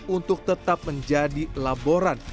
untuk tetap menjadi laboran